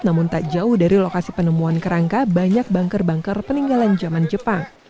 namun tak jauh dari lokasi penemuan kerangka banyak bangker bangker peninggalan zaman jepang